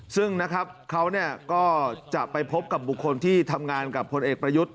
ซึ่งนะครับเขาก็จะไปพบกับบุคคลที่ทำงานกับพลเอกประยุทธ์